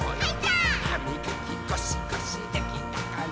「はみがきゴシゴシできたかな？」